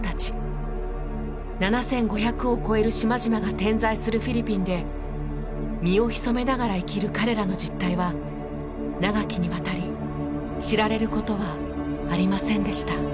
７５００を超える島々が点在するフィリピンで身を潜めながら生きる彼らの実態は長きにわたり知られることはありませんでした。